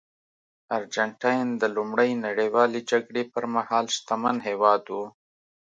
ارجنټاین د لومړۍ نړیوالې جګړې پرمهال شتمن هېواد و.